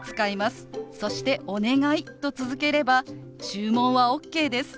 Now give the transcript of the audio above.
そして「お願い」と続ければ注文はＯＫです。